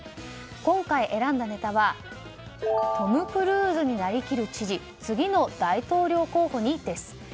今回選んだネタはトム・クルーズになりきる知事次の大統領候補に？です。